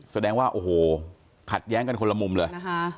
แสดงว่าโอ้โหขัดแย้งกันคนละมุมเลยนะคะ